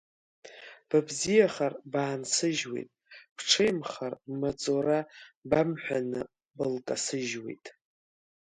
Быбзиахар баансыжьуеит, бҽеимхар бмаҵура бамҳәаны былкасыжьуеит!